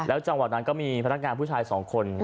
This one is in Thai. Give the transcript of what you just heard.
จังหวะนั้นก็มีพนักงานผู้ชาย๒คน